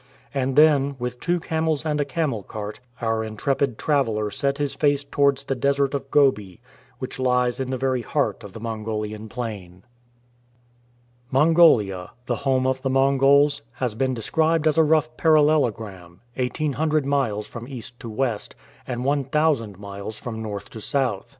And then, with tv/o camels and a camel cart, our intrepid traveller set his face towards the Desert of Gobi, which lies in the very heart of the Mongolian plain. INIongolia, the home of the Mongols, has been de scribed as a rough parallelogram, 1800 miles from east to west, and 1000 miles from north to south.